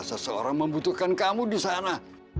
seseorang membutuhkan kamu disana